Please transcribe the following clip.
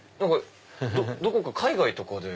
どこか海外とかで？